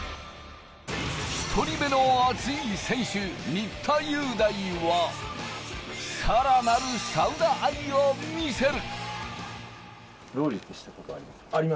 １人目のアツい選手・新田祐大は、さらなるサウナ愛を見せる。